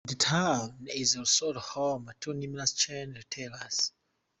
The town is also home to numerous chain retailers.